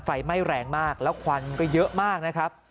ไฟไหม้แรงมากแล้วควันก็เยอะมากนะครับ